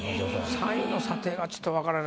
３位の査定がちょっと分からない。